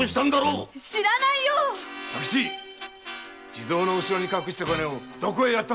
地蔵のうしろに隠した金をどこへやった！